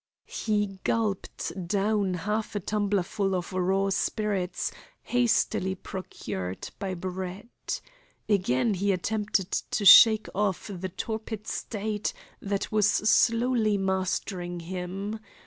He gulped down half a tumblerful of raw spirits hastily procured by Brett. Again he attempted to shake off the torpid state that was slowly mastering him.